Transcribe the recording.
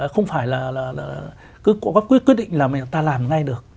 không phải là cứ có quyết định là người ta làm ngay được